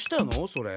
それ。